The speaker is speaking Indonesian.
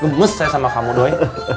gemes saya sama kamu doi